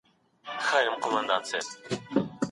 راتلونکی د هغو کسانو دی چي مثبت فکر کوي.